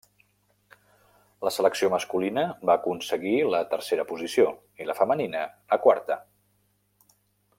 La selecció masculina va aconseguir la tercera posició i la femenina, la quarta.